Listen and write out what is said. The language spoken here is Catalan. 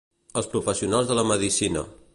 Els professionals de la medicina.